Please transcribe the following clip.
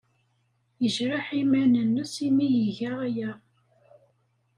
Yejreḥ iman-nnes mi iga aya.